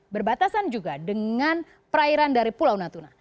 berbatasan juga dengan perairan dari pulau natuna